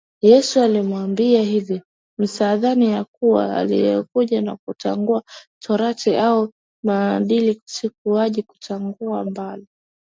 Yesu aliwaambia hivi Msidhani ya kuwa nalikuja kuitangua torati au manabii sikuja kutangua bali